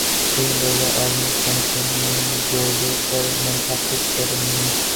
تین روزہ عالمی کانفرنس موئن جو دڑو پر منعقد کررہے ہیں